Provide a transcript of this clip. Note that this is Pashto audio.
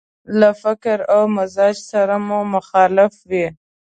له فکر او مزاج سره مو مخالف وي.